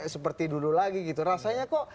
seperti dulu lagi gitu rasanya kok